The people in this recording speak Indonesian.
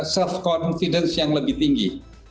self confidence yang lebih tinggi